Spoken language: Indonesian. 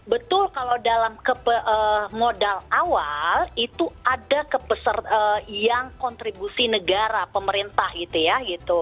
betul kalau dalam modal awal itu ada yang kontribusi negara pemerintah gitu ya